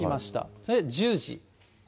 それで１０時、。